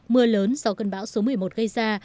mưa lớn do cơn bão số một mươi một gây ra